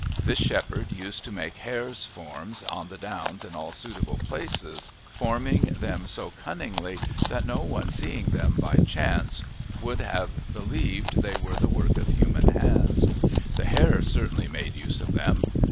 This shepherd used to make hares' forms on the downs in all suitable places, forming them so cunningly that no one seeing them by chance would have believed they were the work of human hands. The hares certainly made use of them.